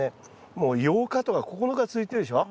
もう８日とか９日続いてるでしょ。